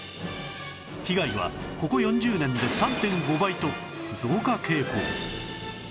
被害はここ４０年で ３．５ 倍と増加傾向